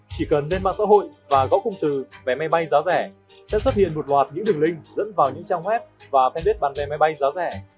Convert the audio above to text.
chỉ cần lên mạng xã hội và gõ cung từ vé máy bay giá rẻ sẽ xuất hiện một loạt những đường link dẫn vào những trang web và fanpage bán vé máy bay giá rẻ